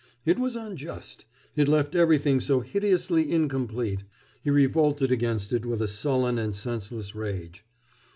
It was unjust. It left everything so hideously incomplete. He revolted against it with a sullen and senseless rage.